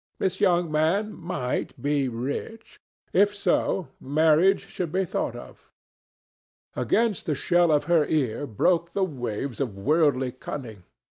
This young man might be rich. If so, marriage should be thought of. Against the shell of her ear broke the waves of worldly cunning.